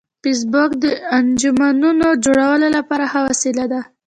فېسبوک د انجمنونو جوړولو لپاره ښه وسیله ده